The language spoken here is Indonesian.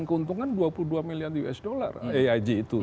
keuntungan dua puluh dua miliar usd aig itu